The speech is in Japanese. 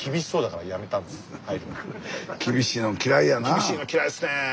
厳しいの嫌いですね。